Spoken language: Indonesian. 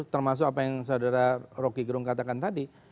termasuk apa yang saudara rocky gerung katakan tadi